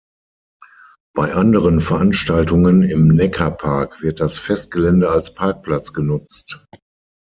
Bei anderen Veranstaltungen im Neckarpark wird das Festgelände als Parkplatz genutzt.